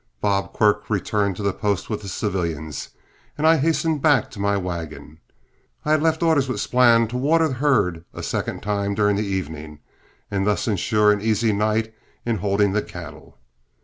Bob Quirk returned to the post with the civilians, while I hastened back to my wagon. I had left orders with Splann to water the herd a second time during the evening and thus insure an easy night in holding the cattle.